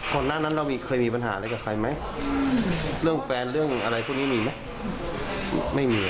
หน้านั้นเรามีเคยมีปัญหาอะไรกับใครไหมเรื่องแฟนเรื่องอะไรพวกนี้มีไหมไม่มี